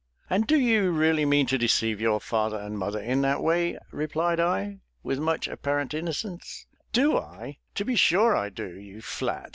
"And do you really mean to deceive your father and mother in that way?" replied I, with much apparent innocence. "Do I? to be sure I do, you flat.